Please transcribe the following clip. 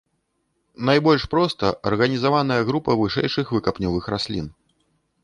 Найбольш проста арганізаваная група вышэйшых выкапнёвых раслін.